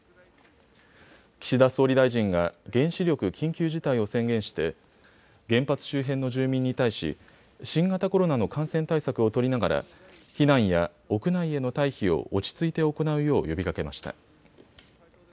岸田総理大臣が原子力緊急事態を宣言して原発周辺の住民に対し新型コロナの感染対策を取りながら避難や屋内への待避を落ち着いて行うよう呼びかけました。